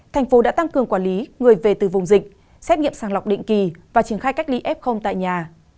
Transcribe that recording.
thành phố đã tăng cường quản lý người về từ vùng dịch xét nghiệm sàng lọc định kỳ và triển khai cách ly f tại nhà